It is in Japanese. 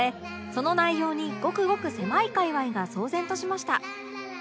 その内容にごくごく狭い界隈が騒然としました